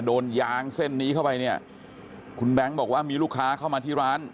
โดนยางเส้นนี้เข้าไปเนี่ยคุณแบงค์บอกว่ามีลูกค้าเข้ามาที่ร้าน